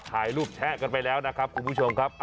ถ่ายรูปแชะกันไปแล้วนะครับคุณผู้ชมครับ